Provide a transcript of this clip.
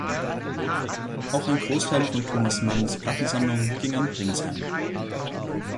Auch ein Großteil von Thomas Manns Plattensammlung ging an Pringsheim.